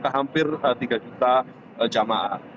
hampir tiga juta jemaah